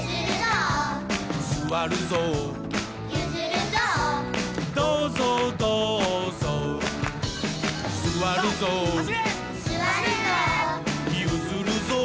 「すわるぞう」「どうぞうどうぞう」「すわるぞう」「ゆずるぞう」